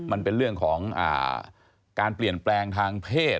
มันเป็นเรื่องของการเปลี่ยนแปลงทางเพศ